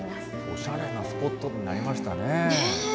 おしゃれなスポットになりましたね。